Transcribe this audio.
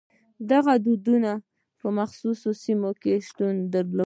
دغو ډولونه په مخصوصو سیمو کې شتون درلود.